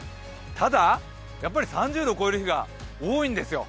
ただ、やっぱり３０度を超える日が多いんですよ。